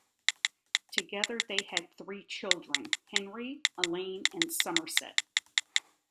Together they had three children, Henry, Elaine and Somerset.